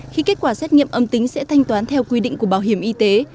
khi kết quả xét nghiệm âm tính sẽ thanh toán theo quy định của bảo hiểm y tế